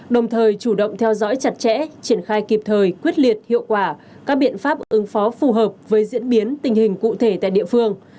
đồng thời chủ động theo dõi chặt chẽ triển khai kịp thời quyết liệt hiệu quả các biện pháp ứng phó phù hợp với diễn biến tình hình cụ thể tại địa phương